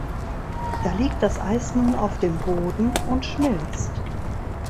Da liegt das Eis nun auf dem Boden und schmilzt.